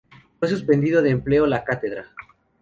Fue suspendido de empleo la cátedra.